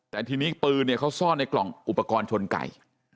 แต่ทีนี้ปืนเนี่ยเขาซ่อนในกล่องอุปกรณ์ชนไก่